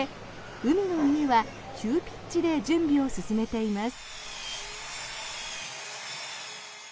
海の家は急ピッチで準備を進めています。